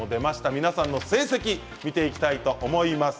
皆さんの成績を見ていきたいと思います。